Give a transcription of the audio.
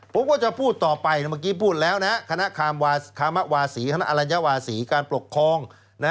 ผมก็จะพูดต่อไปเมื่อกี้พูดแล้วนะคณะคามวาคามวาศีคณะอลัญวาศีการปกครอง